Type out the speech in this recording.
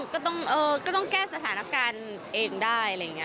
ก็ต้องแก้สถานการณ์เองได้